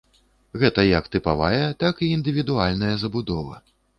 Гэта як тыпавая, так і індывідуальная забудова.